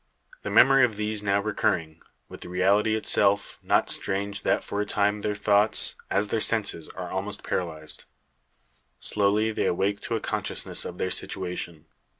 The memory of these now recurring, with the reality itself, not strange that for a time their thoughts, as their senses, are almost paralysed. Slowly they awake to a consciousness of their situation.